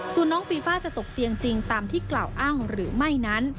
ส่วนน้องฟีฟ่าจะตกเตียงจริงตามที่กล่าวอ้างหรือไม่นั้น